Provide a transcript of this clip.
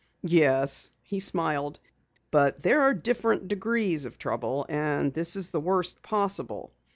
"Yes," he smiled, "but there are different degrees of trouble, and this is the worst possible.